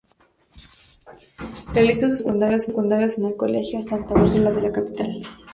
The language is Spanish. Realizó sus estudios secundarios en el Colegio Santa Úrsula de la capital.